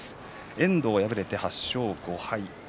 遠藤、敗れて８勝５敗。